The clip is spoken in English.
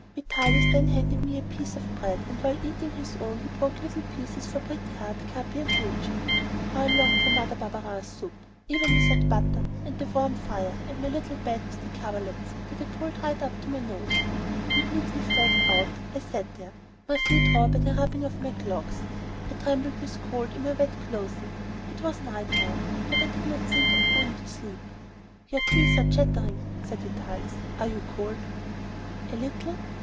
Vitalis then handed me a piece of bread, and while eating his own he broke little pieces for Pretty Heart, Capi and Dulcie. How I longed for Mother Barberin's soup ... even without butter, and the warm fire, and my little bed with the coverlets that I pulled right up to my nose. Completely fagged out, I sat there, my feet raw by the rubbing of my clogs. I trembled with cold in my wet clothing. It was night now, but I did not think of going to sleep. "Your teeth are chattering," said Vitalis; "are you cold?" "A little."